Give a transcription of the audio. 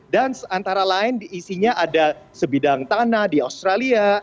dan antara lain diisinya ada sebidang tanah di australia